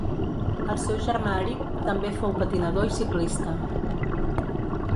El seu germà Eric també fou patinador i ciclista.